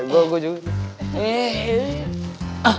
yaudah gua juga